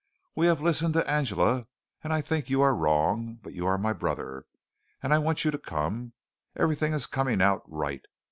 We have listened to Angela, and I think you are wrong, but you are my brother, and I want you to come. Everything is coming out right.